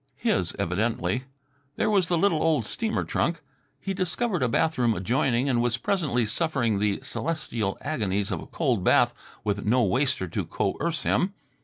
His, evidently. There was the little old steamer trunk. He discovered a bathroom adjoining and was presently suffering the celestial agonies of a cold bath with no waster to coerce him.